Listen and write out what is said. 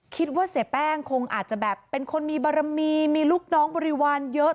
คิดว่าเสียแป้งคงอาจจะแบบเป็นคนมีบารมีมีลูกน้องบริวารเยอะ